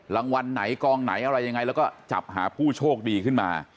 รางวัลไหนกองไหนอะไรยังไงแล้วก็จับหาผู้โชคดีขึ้นมา